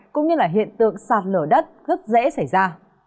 cũng như là hiện tượng sạt lở đất rất dễ xảy ra